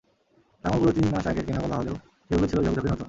লাঙলগুলো তিন মাস আগের কেনা বলা হলেও সেগুলো ছিল ঝকঝকে নতুন।